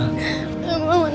kamu harus bangun lagi ratna